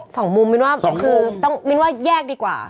สองมุมคือแยกดีกว่า